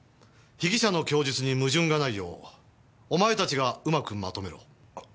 被疑者の供述に矛盾がないようお前たちがうまくまとめろ。